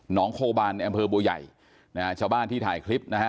หงองโคบานแอมเฟิร์นบัวใหญ่นะฮะชาวบ้านที่ถ่ายคลิปนะฮะ